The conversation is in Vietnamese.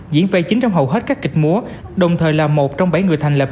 diễn về chính trong hầu hết các kịch múa đồng thời là một trong bảy người thành lập